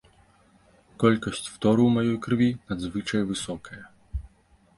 Колькасць фтору ў маёй крыві надзвычай высокая.